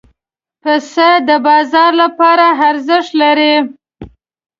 پسه د بازار لپاره ارزښت لري.